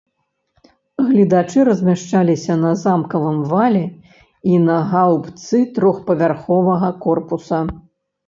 Гледачы размяшчаліся на замкавым вале і на гаўбцы трохпавярховага корпуса.